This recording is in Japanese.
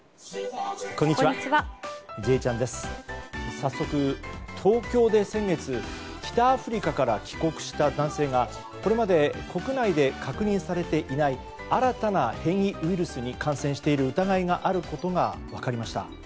早速、東京で先月北アフリカから帰国した男性がこれまで国内で確認されていない新たな変異ウイルスに感染している疑いがあることが分かりました。